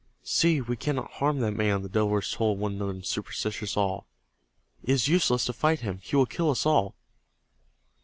"See, we cannot harm that man!" the Delawares told one another in superstitious awe. "It is useless to fight him. He will kill us all!"